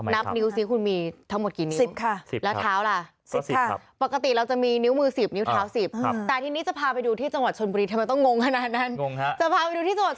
นับนิ้วซิคุณมีทั้งหมดกี่นิ้ว